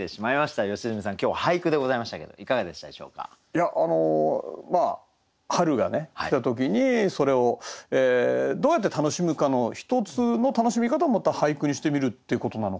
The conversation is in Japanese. いや春がね来た時にそれをどうやって楽しむかの１つの楽しみ方をまた俳句にしてみるっていうことなのかなと思って。